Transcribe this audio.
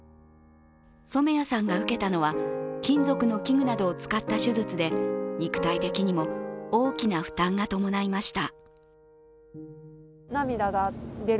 染谷さんが受けたのは金属の器具などを使った手術で肉体的にも、大きな負担が伴いました。